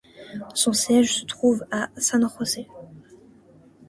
Son siège se trouve à San José.